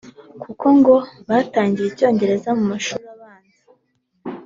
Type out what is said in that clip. kuko ngo batangiye icyongereza mu mashuri abanza